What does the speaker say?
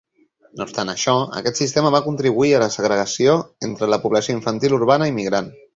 No obstant això, aquest sistema va contribuir a la segregació entre la població infantil urbana i migrant.